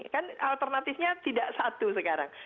kan alternatifnya tidak satu sekarang